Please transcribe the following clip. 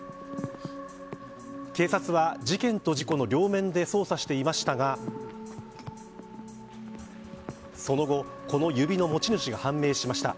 警察は事件と事故の両面で捜査していましたがその後、この指の持ち主が判明しました。